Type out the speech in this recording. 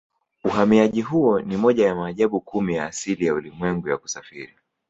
Uhamiaji huo ni moja ya maajabu kumi ya asili ya ulimwengu ya kusafiri